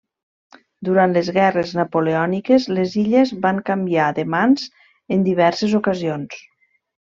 Durant les Guerres Napoleòniques les illes van canviar de mans en diverses ocasions.